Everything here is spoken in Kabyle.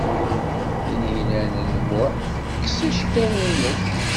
Tinhinan u Muḥ tekkes iceḍḍiḍen-nnes.